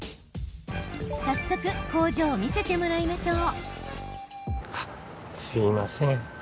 早速、工場を見せてもらいましょう。